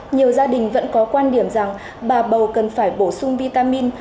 nhiều gia đình vẫn có quan điểm rằng bà bầu cần phải bổ sung vitamin